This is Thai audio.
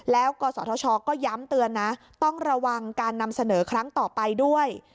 แล้วกศธชก็ย้ำเตือนนะต้องระวังการนำเสนอครั้งต่อไปด้วย